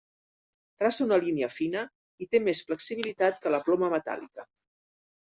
Traça una línia fina, i té més flexibilitat que la ploma metàl·lica.